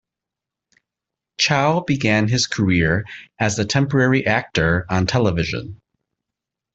Chow began his career as a temporary actor on television.